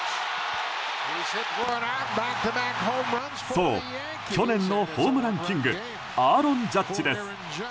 そう、去年のホームランキングアローン・ジャッジです。